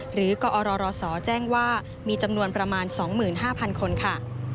หรือกอรศแจ้งว่ามีจำนวนประมาณ๒๕๐๐คนค่ะ